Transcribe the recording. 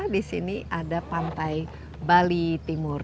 di sini ada pantai bali timur